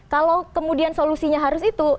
kalau kemudian solusinya harus itu